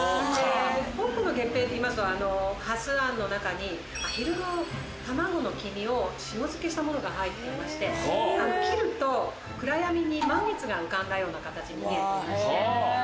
香港の月餅っていいますと蓮あんの中にアヒルの卵の黄身を塩漬けしたものが入っていまして切ると。が浮かんだような形に見えていまして。